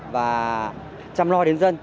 và chăm lo đến dân